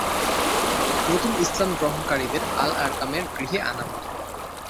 নতুন ইসলাম গ্রহণকারীদের আল-আরকামের গৃহে আনা হতো।